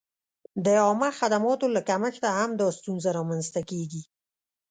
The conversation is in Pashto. د عامه خدماتو له کمښته هم دا ستونزه را منځته کېږي.